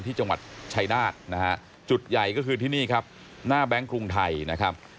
ที่จังหวัดชายนาฏนะฮะจุดใหญ่ก็คือที่นี่ครับหน้าแบงค์กรุงไทยนะครับ